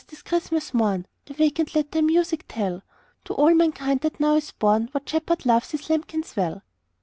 't is Christmas morn Awake and let thy music tell To all mankind that now is born What Shepherd loves His lambkins well!"